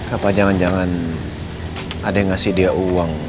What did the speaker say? apa jangan jangan ada yang ngasih dia uang